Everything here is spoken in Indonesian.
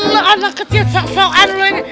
lu anak kecil soalan lu ini